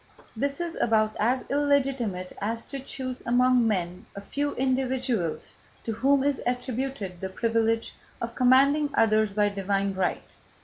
This is about as illegitimate as to choose among men a few individuals to whom is attributed the privilege of commanding others by divine right.